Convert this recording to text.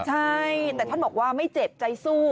ใช่แต่ท่านบอกว่าไม่เจ็บใจสู้